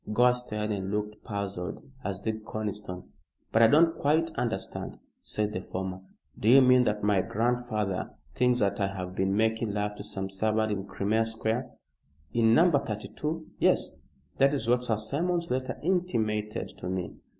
Gore stared and looked puzzled, as did Conniston. "But I don't quite understand," said the former. "Do you mean that my grandfather thinks that I have been making love to some servant in Crimea Square?" "In No. 32. Yes. That is what Sir Simon's letter intimated to me."